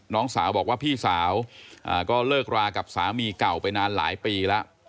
น้องสาวบอกว่าพี่สาวก็เลิกรากับสามีเก่าไปนานหลายปีแล้ว